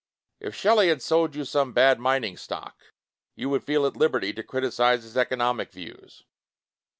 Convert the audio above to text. If Shelley had sold you some bad mining stock, you would feel at liberty to criticize his economic views.